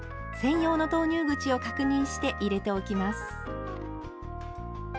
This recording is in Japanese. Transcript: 専用の投入口を確認して入れておきます。